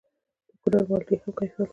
د کونړ مالټې هم کیفیت لري.